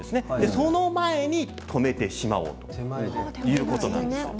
その前に止めてしまおうということなんです。